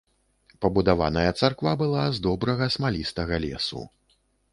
Пабудаваная царква была з добрага смалістага лесу.